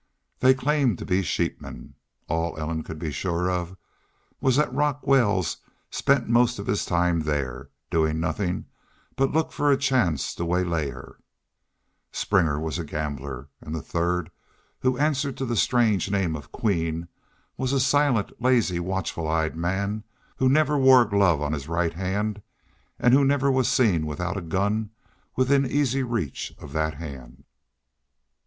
They claimed to be sheepmen. All Ellen could be sure of was that Rock Wells spent most of his time there, doing nothing but look for a chance to waylay her; Springer was a gambler; and the third, who answered to the strange name of Queen, was a silent, lazy, watchful eyed man who never wore a glove on his right hand and who never was seen without a gun within easy reach of that hand.